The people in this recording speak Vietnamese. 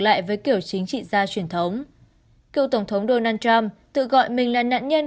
lại với kiểu chính trị gia truyền thống cựu tổng thống donald trump tự gọi mình là nạn nhân